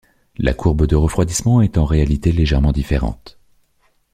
La courbe de refroidissement est en réalité légèrement différente.